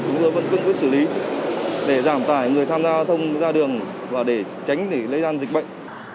chúng tôi vẫn cương quyết xử lý để giảm tải người tham gia thông ra đường và để tránh để lây lan dịch bệnh